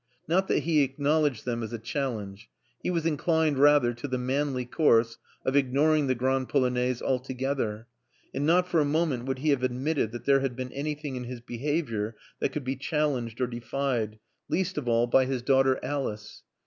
Not that he acknowledged them as a challenge. He was inclined rather to the manly course of ignoring the Grande Polonaise altogether. And not for a moment would he have admitted that there had been anything in his behavior that could be challenged or defied, least of all by his daughter Alice.